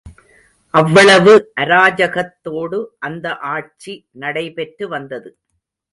அவ்வளவு அராஜகத்தோடு அந்த ஆட்சி நடைபெற்று வந்தது.